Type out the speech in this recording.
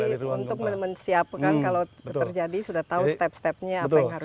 tapi untuk menyiapkan kalau terjadi sudah tahu step stepnya apa yang harus